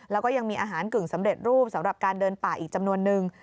แล้วก็ยังมีอาหารกึ่งสำเร็จรูปสำหรับการเดินป่าอีกจำนวนนึง